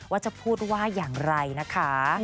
ว่าจะพูดว่าอย่างไรนะคะ